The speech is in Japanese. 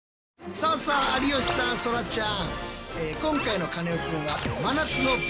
さあさあ有吉さんそらちゃん。